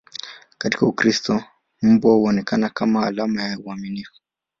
Katika Ukristo, mbwa huonekana kama alama ya uaminifu.